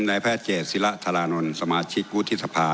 แนวแพทย์เจ็ดศิลาธรานลสมาชิกวุฒิษภา